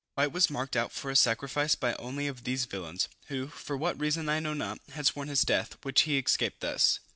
White was marked out for a sacrifice by one of these villains, who, for what reason I know not, had sworn his death, which he escaped thus.